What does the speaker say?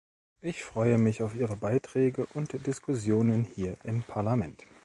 Ich freue mich auf Ihre Beiträge und Diskussionen hier im Parlament.